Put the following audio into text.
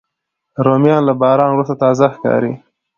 رومیان له باران وروسته تازه ښکاري